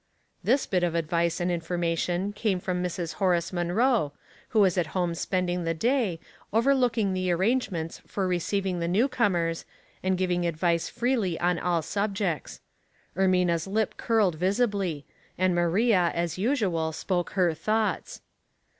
This bit of advice and information came from Mrs. Horace Munroe, who was at home spending the day, overlooking the arrangements for re ceiving the new comers, and giving advice freely on all subjects. Ermina's lip curled visibly, and Maria, as usual, spoke her thoughts.